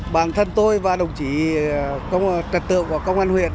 bản thân tôi và đồng chí trật tự của công an huyện